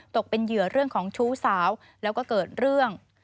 ตกเป็นเหยื่อเรื่องของชู้สาวแล้วก็เกิดเรื่อง